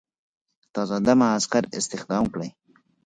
تازه دمه عسکر استخدام کړي.